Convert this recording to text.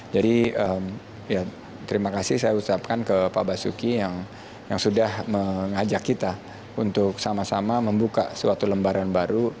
jadi ya terima kasih saya ucapkan ke pak basuki yang sudah mengajak kita untuk sama sama membuka suatu lembaran baru